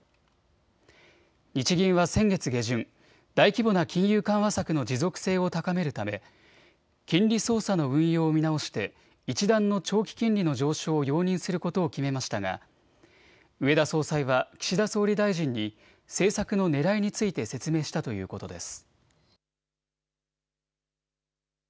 日銀は先月下旬、大規模な金融緩和策の持続性を高めるため金利操作の運用を見直して一段の長期金利の上昇を容認することを決めましたが植田総裁は岸田総理大臣に政策のねらいについて説明したということです。